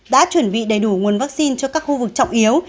đã chuẩn bị đầy đủ nguồn vaccine cho các khu vực trọng yếu